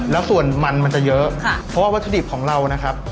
แล้วส่วนมันมันจะเยอะเพราะว่าวัตถุดิบของเรานะครับ